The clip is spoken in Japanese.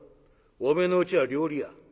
おめえのうちは料理屋。